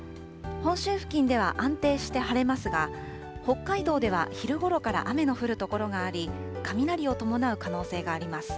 本州付近では安定して晴れますが、北海道では昼ごろから雨の降る所があり、雷を伴う可能性があります。